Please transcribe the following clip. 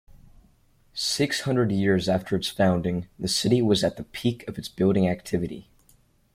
Six hundred years after its founding, the city was at the peak of its building activity.